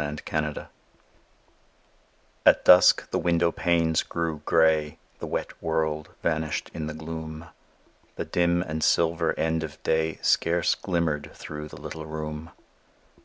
FORGIVENESS At dusk the window panes grew grey; The wet world vanished in the gloom; The dim and silver end of day Scarce glimmered through the little room.